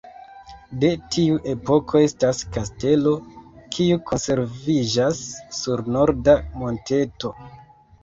De tiu epoko estas kastelo, kiu konserviĝas sur norda monteto.